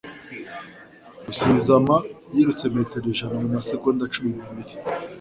Rusizama yirutse metero ijana mumasegonda cumi n'abiri